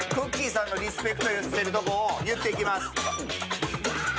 さんのリスペクトしているところを言っていきます。